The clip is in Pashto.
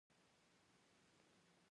آیا د لور زیږیدل هم رحمت نه ګڼل کیږي؟